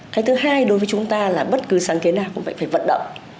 cái thứ hai đối với chúng ta là bất cứ sáng kiến nào cũng vậy phải vận động